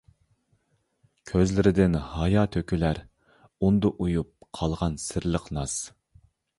كۆزلىرىدىن ھايا تۆكۈلەر، ئۇندا ئۇيۇپ قالغان سىرلىق ناز.